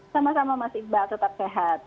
sama sama mas iqbal tetap sehat